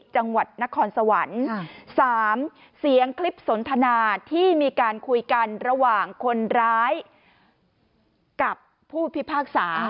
จังหวัดนครสวรรค์๓เสียงคลิปสนทนาที่มีการคุยกันระหว่างคนร้ายกับผู้พิพากษา